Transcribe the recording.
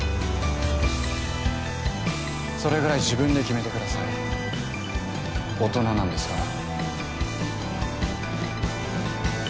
それぐらい自分で決めてください大人なんですから。